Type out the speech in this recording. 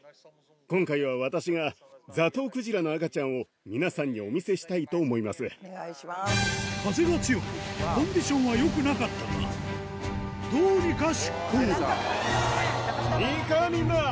今回は私がザトウクジラの赤ちゃんを、皆さんにお見せしたいと思風が強く、コンディションはよくなかったが、いいか、みんな。